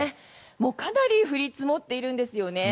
かなり降り積もっているんですよね。